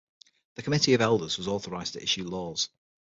The Committee of Elders was authorized to issue laws.